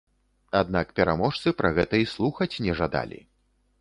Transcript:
Аднак пераможцы пра гэта і слухаць не жадалі.